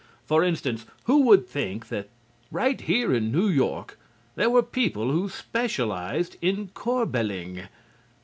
For instance, who would think that right here in New York there were people who specialized in corbeling?